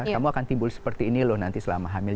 kamu akan timbul seperti ini loh nanti selama hamil